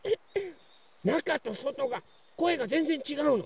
なかとそとがこえがぜんぜんちがうの。